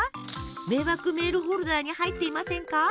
迷惑メールフォルダに入っていませんか？